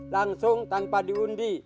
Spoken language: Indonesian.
langsung tanpa diundi